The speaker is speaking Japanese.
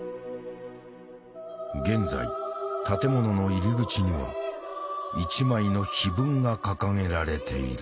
現在建物の入り口には一枚の碑文が掲げられている。